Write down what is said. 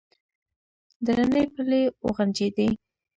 درنې پلې وغنجېدې.